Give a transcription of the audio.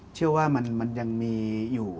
เชื่อว่ามันยังมีอยู่